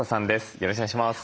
よろしくお願いします。